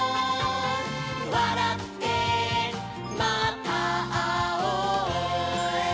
「わらってまたあおう」